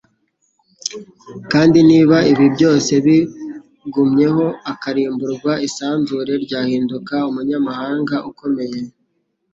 kandi niba ibindi byose bigumyeho, akarimburwa, isanzure ryahinduka umunyamahanga ukomeye. ”